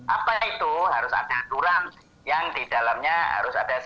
apa itu harus ada aturan yang di dalamnya harus ada